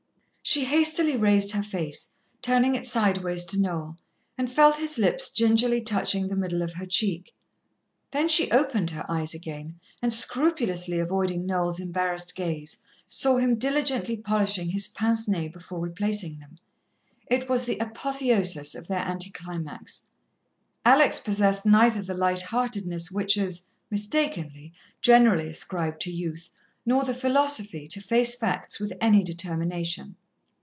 She hastily raised her face, turning it sideways to Noel, and felt his lips gingerly touching the middle of her cheek. Then she opened her eyes again, and, scrupulously avoiding Noel's embarrassed gaze, saw him diligently polishing his pince nez before replacing them. It was the apotheosis of their anti climax. Alex possessed neither the light heartedness which is mistakenly generally ascribed to youth, nor the philosophy, to face facts with any determination.